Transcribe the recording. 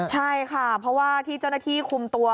ใช่ค่ะเพราะว่าที่เจ้าหน้าที่คุมตัว